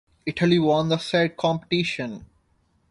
Italy won the said competition.